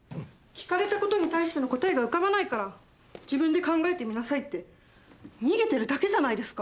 聞かれたことに対しての答えが浮かばないから自分で考えてみなさいって逃げてるだけじゃないですか。